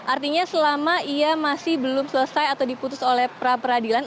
artinya selama ia masih belum selesai atau diputus oleh pra peradilan